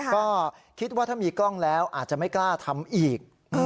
ก็คิดว่าถ้ามีกล้องแล้วอาจจะไม่กล้าทำอีก